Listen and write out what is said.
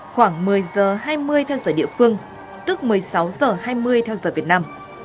khoảng một mươi h hai mươi theo giờ địa phương tức một mươi sáu h hai mươi theo giờ việt nam